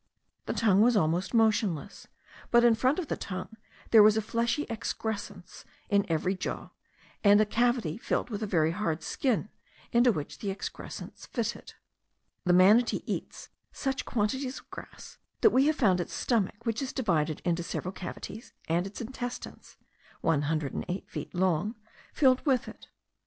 The tongue was almost motionless; but in front of the tongue there was a fleshy excrescence in each jaw, and a cavity lined with a very hard skin, into which the excrescence fitted. The manatee eats such quantities of grass, that we have found its stomach, which is divided into several cavities, and its intestines, (one hundred and eight feet long,) filled with it.